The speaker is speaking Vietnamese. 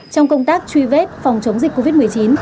trong công tác truy vết phòng chống dịch covid một mươi chín